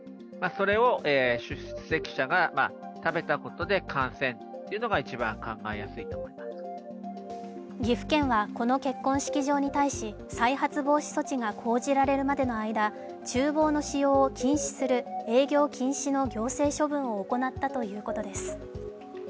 どのように感染した可能性があるのでしょうか岐阜県はこの結婚式場に対し、再発防止措置が講じられるまでの間、ちゅう房の使用を禁止する営業禁止の行政処分を行ったということです。